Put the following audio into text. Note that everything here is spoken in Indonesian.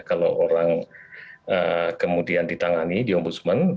kalau orang kemudian ditangani di ombudsman